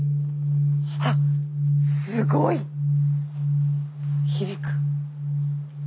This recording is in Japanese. あっすごい響く。